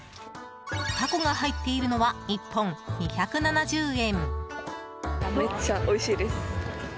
タコが入っているのは１本２７０円。